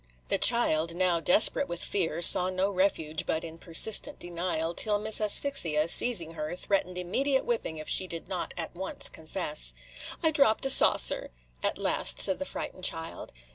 The child, now desperate with fear, saw no refuge but in persistent denial, till Miss Asphyxia, seizing her, threatened immediate whipping if she did not at once confess. "I dropped a saucer," at last said the frightened child.